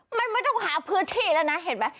มันไม่ต้องหาพื้นที่แล้วนะเห็นไหม